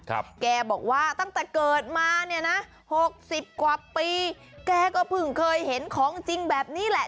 แกบอกว่าตั้งแต่เกิดมาเนี่ยนะหกสิบกว่าปีแกก็เพิ่งเคยเห็นของจริงแบบนี้แหละ